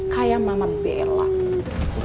kayak mama bella